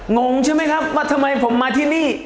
งงใช่ไหมครับว่าทำไมผมมาที่นี่